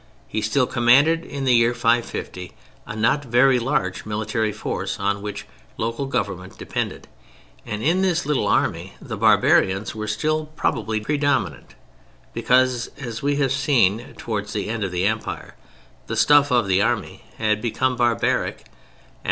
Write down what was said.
He still commanded in the year 550 a not very large military force on which local government depended, and in this little army the barbarians were still probably predominant because, as we have seen, towards the end of the Empire the stuff of the army had become barbaric and the armed force was mainly of barbaric recruitment.